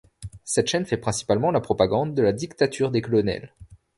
Cette chaîne fait principalement la propagande de la dictature des colonels.